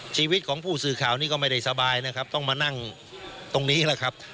ชีวิตของผู้สื่อข่าวนี้ก็ไม่ได้สบายนะครับต้องมานั่งตรงนี้แหละครับ